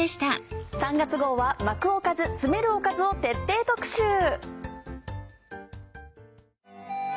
３月号は「巻くおかず、詰めるおかず」を徹底特集。